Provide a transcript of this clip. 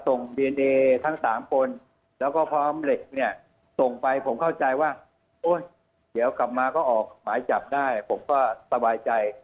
โอ๊ยเดี๋ยวกลับมาก็ออกหมายจับได้ผมก็สบายใจ